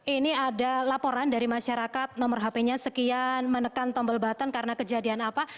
ini ada laporan dari masyarakat nomor hp nya sekian menekan tombol button karena kejadian apa